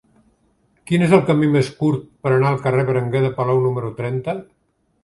Quin és el camí més curt per anar al carrer de Berenguer de Palou número trenta?